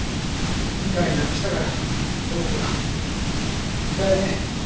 議会なくしたからこの子が。だよね？